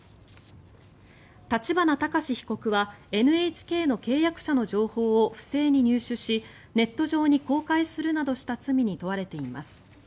立花孝志被告はＮＨＫの契約者の情報を不正に入手しネット上に公開するなどした罪に問われています。